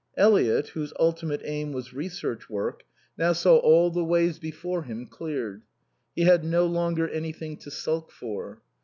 Eliot, whose ultimate aim was research work, now saw all the ways before him cleared. He had no longer anything to sulk for.